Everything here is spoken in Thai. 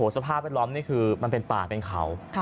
สภาพแวดล้อมนี่คือมันเป็นป่าเป็นเขา